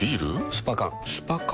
スパ缶スパ缶？